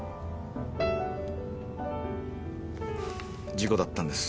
事故だったんです。